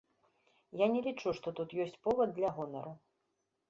Я не лічу, што тут ёсць повад для гонару.